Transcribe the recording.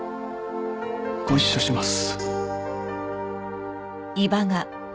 ご一緒します。